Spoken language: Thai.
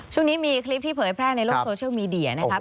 ช่วงนี้มีคลิปที่เผยแพร่ในโลกโซเชียลมีเดียนะครับ